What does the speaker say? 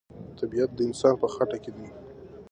طبیعت د انسان په خټه کې دی.